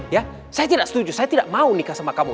ya saya tidak setuju saya tidak mau nikah sama kamu